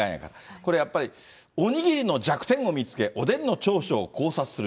これやっぱり、お握りの弱点を見つけ、おでんの長所を考察する。